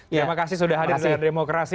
terima kasih sudah hadir di layar demokrasi